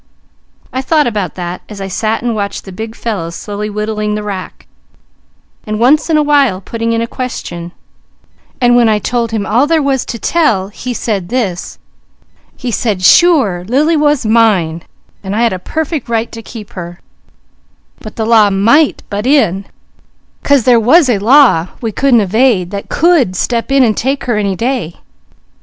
I thought about that, as I sat and watched the big fellow slowly whittling the rack, and once in a while putting in a question, and when I'd told him all there was to tell, he said this: he said sure Lily was mine, and I had a perfect right to keep her; but the law might butt in, 'cause there was a law we couldn't evade that could step in and take her any day.